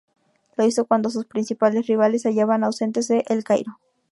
Lo hizo cuando sus principales rivales se hallaban ausentes de El Cairo.